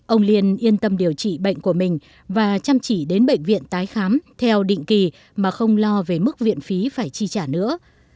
ông liên yên tâm điều trị bệnh của mình và chăm chỉ đến bệnh viện tái khám theo định kỳ mà không lo về mức viện phí phải chi trả nữa